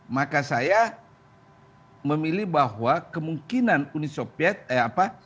maka saya memilih bahwa kemungkinan uni soviet apa